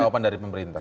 jawaban dari pemerintah